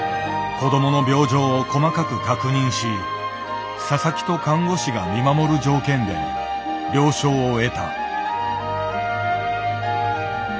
子どもの病状を細かく確認し佐々木と看護師が見守る条件で了承を得た。